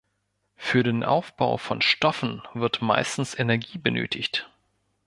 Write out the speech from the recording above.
Für den Aufbau von Stoffen wird meistens Energie benötigt.